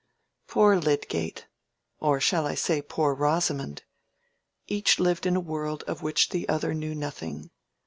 Poor Lydgate! or shall I say, Poor Rosamond! Each lived in a world of which the other knew nothing.